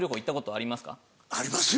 ありますよ！